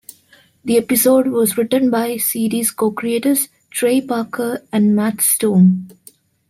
The episode was written by series co-creators Trey Parker and Matt Stone.